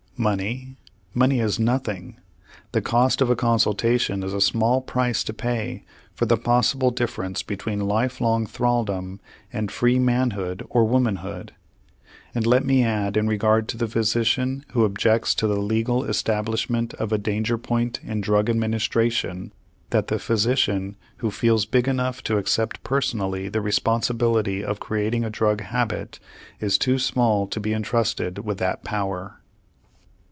Money? Money is nothing! The cost of a consultation is a small price to pay for the possible difference between life long thralldom and free manhood or womanhood. And let me add in regard to the physician who objects to the legal establishment of a danger point in drug administration that the physician who feels big enough to accept personally the responsibility of creating a drug habit is too small to be intrusted with that power.